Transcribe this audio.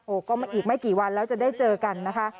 ก็อีกไม่กี่วันแล้วจะได้เจอกันนะคะ